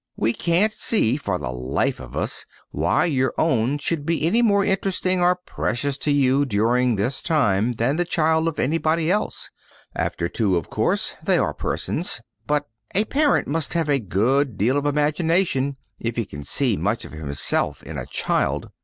We can't see, for the life of us, why your own should be any more interesting or precious to you during this time than the child of anybody else. After two, of course, they are persons, but a parent must have a good deal of imagination if he can see much of himself in a child.